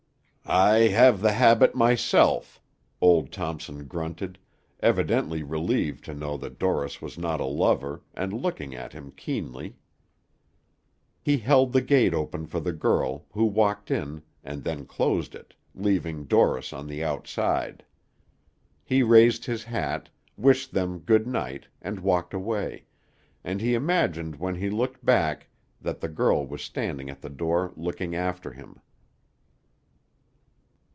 "I have the habit myself," old Thompson grunted, evidently relieved to know that Dorris was not a lover, and looking at him keenly. He held the gate open for the girl, who walked in, and then closed it, leaving Dorris on the outside. He raised his hat, wished them good night, and walked away, and he imagined when he looked back that the girl was standing at the door looking after him.